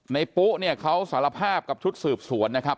ปุ๊เนี่ยเขาสารภาพกับชุดสืบสวนนะครับ